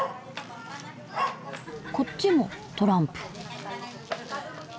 こっちもトランプ。